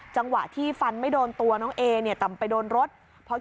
จังหวะที่ฟันไม่โดนตัวน้องเอเนี่ยแต่ไปโดนรถ